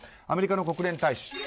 アメリカの国連大使。